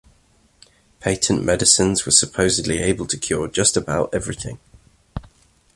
Patent medicines were supposedly able to cure just about everything.